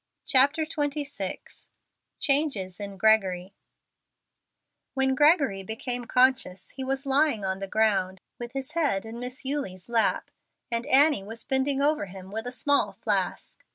CHAPTER XXVI CHANGES IN GREGORY When Gregory became conscious, he was lying on the ground, with his head in Miss Eulie's lap, and Annie was bending over him with a small flask.